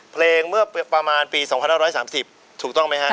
เพลงเมื่อประมาณปี๒๕๓๐ถูกต้องไหมฮะ